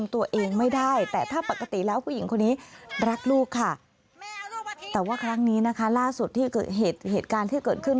แต่ว่าครั้งนี้นะคะล่าสุดเหตุการณ์ที่เกิดขึ้น